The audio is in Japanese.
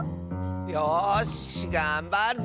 よしがんばるぞ！